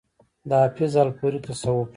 د حافظ الپورئ تصوف